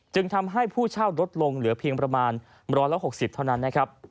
จึงทำให้ผู้เช่ารถลงเหลือเพียงประมาณร้อยละ๖๐เท่านั้น